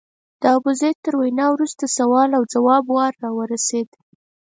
د ابوزید تر وینا وروسته سوال او ځواب وار راورسېد.